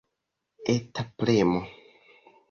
Eta premo.